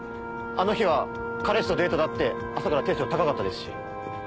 あの日は彼氏とデートだって朝からテンション高かったですし。